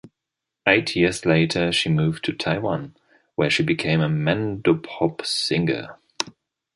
Eight years later she moved to Taiwan, where she became a Mandopop singer.